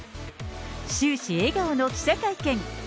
終始、笑顔の記者会見。